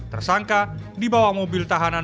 tersangka dibawa mobil tahanan